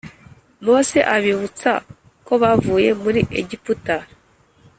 Mose abibutsa uko bavuye muri Egiputa